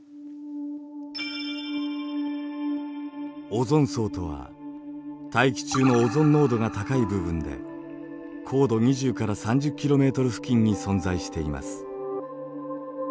オゾン層とは大気中のオゾン濃度が高い部分で高度２０から３０ｋｍ付近に存在しています。